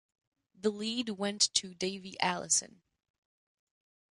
The lead went to Davey Allison.